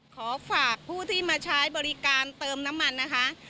ขอฝากผู้ที่มาใช้บริการเติมน้ำมันนะคะ